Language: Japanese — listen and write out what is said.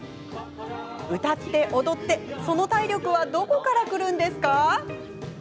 歌って、踊ってその体力はどこからくるんですか。